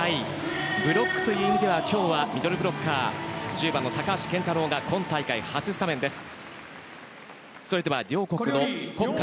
ブロックという意味では今日はミドルブロッカー１０番の高橋健太郎が今大会初スタメンです。